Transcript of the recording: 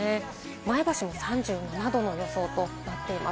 前橋は３７度の予想となっています。